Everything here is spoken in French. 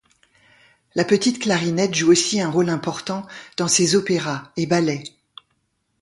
La petite clarinette joue aussi un rôle important dans ses opéras et ballets.